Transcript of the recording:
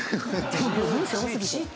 文章多過ぎて。